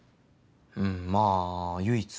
うんまぁ唯一？